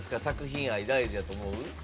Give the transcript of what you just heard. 作品愛大事やと思う？